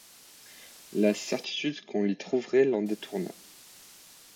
La certitude qu'on l'y trouverait, l'en détourna.